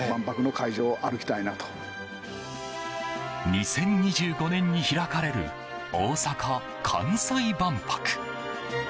２０２５年に開かれる大阪・関西万博。